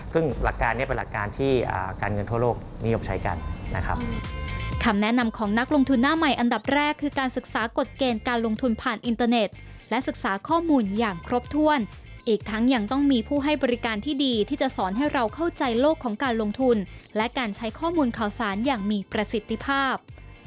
ซึ่งหลักการนี้เป็นหลักการที่การเงินทั่วโลกนิยมใช้กันนะครับ